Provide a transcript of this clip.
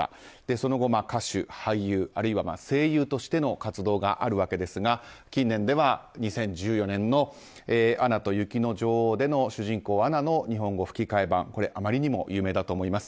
その後、歌手、俳優あるいは声優としての活動があるわけですが近年では２０１４年の「アナと雪の女王」での主人公アナの日本語吹き替え版あまりにも有名だと思います。